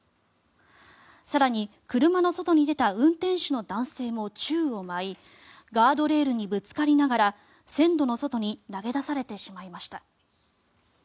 更に車の外に出た運転手の男性も宙を舞いガードレールにぶつかりながら線路の外に投げ出されてしまいました。